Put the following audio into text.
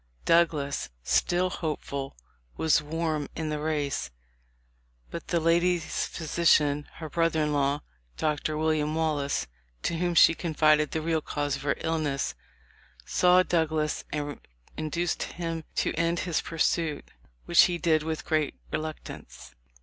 Douglas, still hopeful, was warm in the race, but the lady's physician, — her brother in law, — Dr. William Wallace, to whom she confided the real cause of her illness, saw Douglas and induced him to end his pursuit,* which he did with great reluctance.